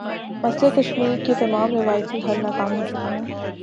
مسئلہ کشمیر کے تمام روایتی حل ناکام ہو چکے ہیں۔